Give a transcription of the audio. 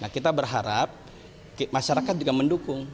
kita berharap masyarakat juga mendukung